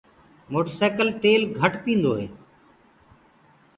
موٽر سيڪل تيل گهٽ پيٚندو هي۔